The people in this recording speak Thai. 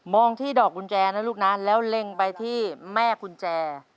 ที่ดอกกุญแจนะลูกนะแล้วเล็งไปที่แม่กุญแจ